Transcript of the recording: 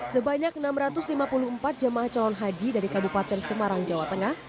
sebanyak enam ratus lima puluh empat jemaah calon haji dari kabupaten semarang jawa tengah